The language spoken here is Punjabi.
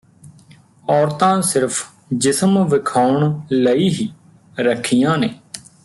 ਔਰਤਾਂ ਸਿਰਫ ਜਿਸਮ ਵਿਖਾਉਣ ਲਈ ਹੀ ਰੱਖੀਆਂ ਨੇ